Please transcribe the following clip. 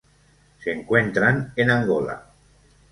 Se encuentran en Angola.